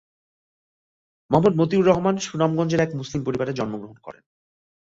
মোহাম্মদ মতিউর রহমান সুনামগঞ্জের এক মুসলিম পরিবারে জন্মগ্রহণ করেন।